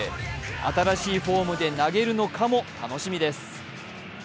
新しいフォームで投げるのかも楽しみです。